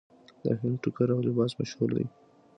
د هند ټوکر او لباس مشهور دی.